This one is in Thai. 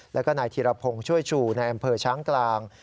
แล้วก็นายธีรพงศ์ช่วยชูในอำเภอช้างกลาง